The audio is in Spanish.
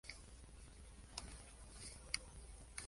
aparecían marcas sólo entendibles por la persona que las ha escrito